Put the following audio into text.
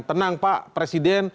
tenang pak presiden